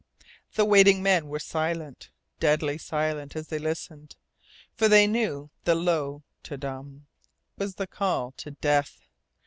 And the waiting men were silent deadly silent as they listened. For they knew that the low Te dum was the call to death.